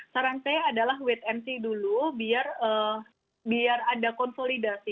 saran saya adalah wait and see dulu biar ada konsolidasi